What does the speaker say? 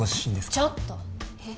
ちょっとえッ？